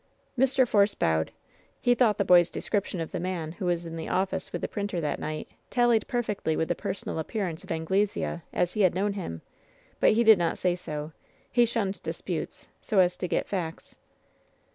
Mr. Force bowed. He thought the boy's description of the man who was in the office with the printer that night tallied perfectly with the personal appearance of Anglesea as he had Imown him, but he did not say so ; he shunned disputes, so as to get facts.